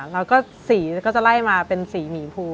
แล้วก็สีก็จะไล่มาเป็นสีหมีภู